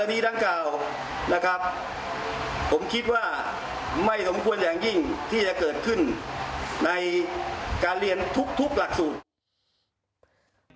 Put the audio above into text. ดังกล่าวนะครับผมคิดว่าไม่สมควรอย่างยิ่งที่จะเกิดขึ้นในการเรียนทุกหลักสูตร